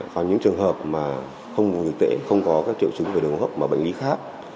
và những trường hợp mà không vùng dịch tễ không có các triệu chứng về đường hộp mà bệnh lý khác